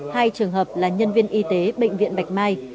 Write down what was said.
hai trường hợp là nhân viên y tế bệnh viện bạch mai